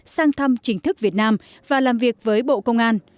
sang thăm chính thức việt nam và làm việc với bộ công an